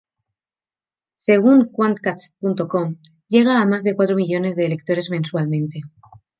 Según Quantcast.com, llega a más de cuatro millones de lectores mensualmente.